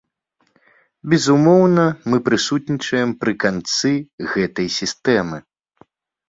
Безумоўна, мы прысутнічаем пры канцы гэтай сістэмы.